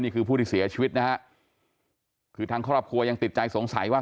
ผู้ที่เสียชีวิตนะฮะคือทางครอบครัวยังติดใจสงสัยว่า